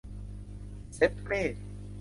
เซ็ปเป้